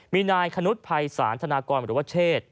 มีนายคนุษยภัยศาลธนากรหรือว่าเชศ